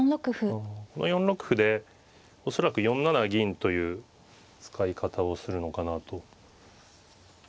あこの４六歩で恐らく４七銀という使い方をするのかなと。